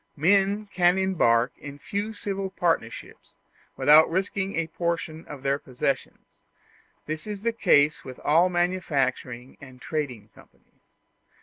Men can embark in few civil partnerships without risking a portion of their possessions; this is the case with all manufacturing and trading companies.